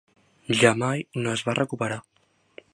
Ja mai no es va recuperar.